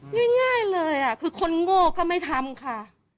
ง่ายเลยคือคนโง่ก็ไม่ทำค่ะ